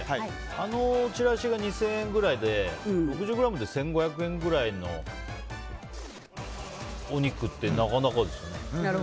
あのちらしが２０００円くらいで６０ｇで１５００円ぐらいのお肉ってなかなかですよね。